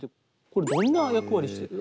これどんな役割してる？